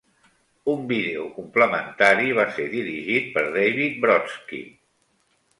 Un vídeo complementari va ser dirigit per David Brodsky.